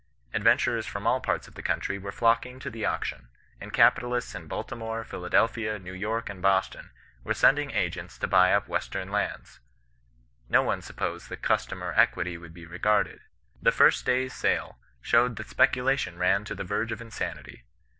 Adventurers from all parts of the country were nocking to the auction ; and capitalists in Baltimore, Philadel phia, New York, and Boston, were sending agents to buy up western lands. No one supposed that custom or equity would be regarded. The first day's sale showed that speculation ran to the verge of insanity.